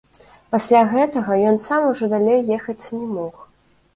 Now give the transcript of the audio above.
Пасля гэтага ён сам ужо далей ехаць не мог.